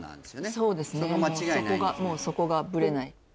もうそこがもうそこがブレない